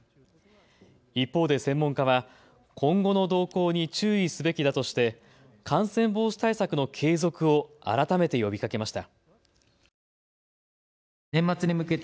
一方で専門家は今後の動向に注意すべきだとして感染防止対策の継続を改めて呼びかけました。